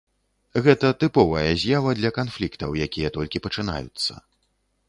Гэта тыповая з'ява для канфліктаў, якія толькі пачынаюцца.